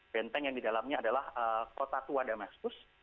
benteng yang di dalamnya adalah kota tua damascus